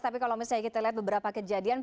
tapi kalau misalnya kita lihat beberapa kejadian